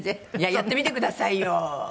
やってみてくださいよ。